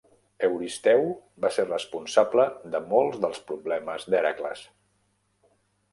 Euristeu va ser responsable de molts dels problemes d'Hèracles.